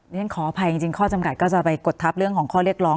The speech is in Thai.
ฉันขออภัยจริงข้อจำกัดก็จะไปกดทับเรื่องของข้อเรียกร้อง